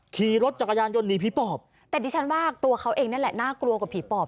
ขี่รถจักรยานยนต์หนีผีปอบแต่ดิฉันว่าตัวเขาเองนั่นแหละน่ากลัวกว่าผีปอบ